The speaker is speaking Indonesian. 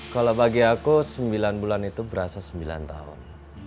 kalau bagi aku sembilan bulan itu berasa sembilan tahun